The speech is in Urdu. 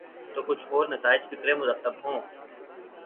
تو کچھ اور نتائج فکر مرتب ہوں۔